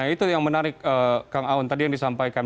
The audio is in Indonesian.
itu yang menarik kang aun tadi yang disampaikan